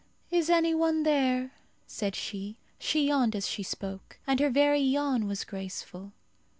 "Is any one there?" said she. She yawned as she spoke, and her very yawn was graceful.